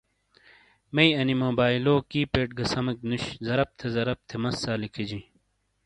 میئ انی موبائلو کی پیڈ گہ سمیک نُش۔ زرپ تھے زرپ تھے مسا لکھِجِیں۔